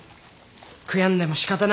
悔やんでも仕方ない。